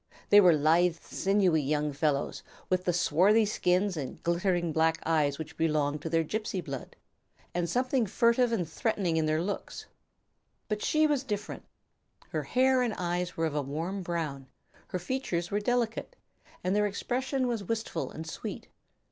They were lithe, sinewy young fellows, with the swarthy skins and glittering black eyes which belonged to their gypsy blood, and something furtive and threatening in their looks, but she was different. Her hair and eyes were of a warm brown, her features were delicate, and their expression was wistful and sweet.